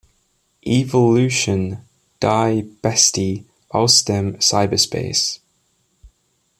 "Evilution - Die Bestie aus dem Cyberspace".